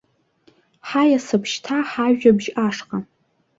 Ҳаиасып шьҭа ҳажәабжь ашҟа.